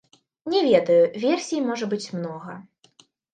Не ведаю, версій можа быць многа.